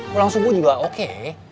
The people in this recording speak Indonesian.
pulang subuh juga oke